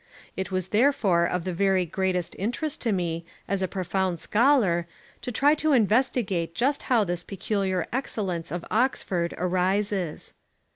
It was therefore of the very greatest interest to me, as a profound scholar, to try to investigate just how this peculiar excellence of Oxford arises.